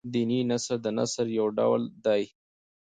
دیني نثر د نثر يو ډول دﺉ.